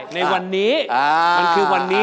ในวันนี้